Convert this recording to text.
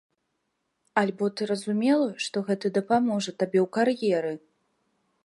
Альбо ты разумела, што гэта дапаможа табе ў кар'еры?